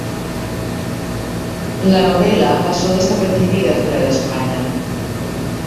La novela pasó desapercibida fuera de españa.